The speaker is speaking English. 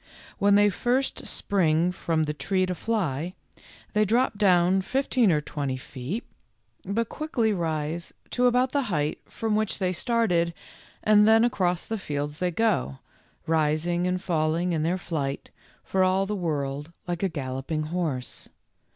When they first spring from the tree to fly, they drop down fifteen or twenty feet, but 25 26 THE LITTLE FORESTERS. quickly rise to about the height from which they started and then across the fields they go, rising and falling in their flight, for all the world like a galloping horse.